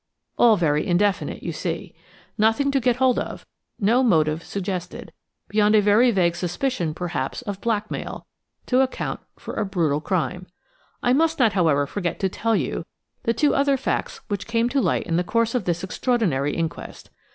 '" All very indefinite, you see. Nothing to get hold of, no motive suggested–beyond a very vague suspicion, perhaps, of blackmail–to account for a brutal crime. I must not, however, forget to tell you the two other facts which came to light in the course of this extraordinary inquest.